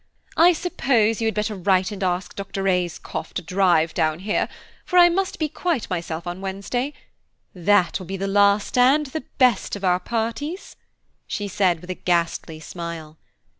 I suppose you had better write and ask Dr. Ayscough to drive down here, for I must be quite myself on Wednesday. That will be the last and the best of our parties," she said with a ghastly smile.